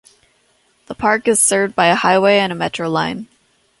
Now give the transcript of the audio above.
The park is served by a highway and a metro line.